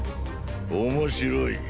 面白い。